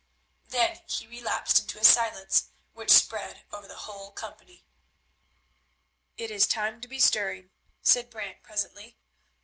Then he relapsed into a silence, which spread over the whole company. "It is time to be stirring," said Brant presently.